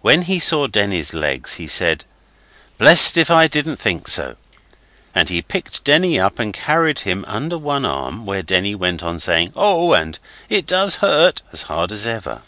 When he saw Denny's legs he said 'Blest if I didn't think so,' and he picked Denny up and carried him under one arm, where Denny went on saying 'Oh!' and 'It does hurt' as hard as ever.